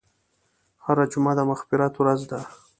هره جمعه د مغفرت ورځ ده.